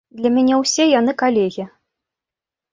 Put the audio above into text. Для мяне ўсе яны калегі.